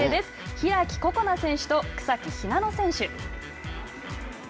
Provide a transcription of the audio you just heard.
開心那選手と草木ひなの選手。